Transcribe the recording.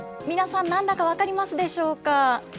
皆さん、なんだか分かりますでしょうか。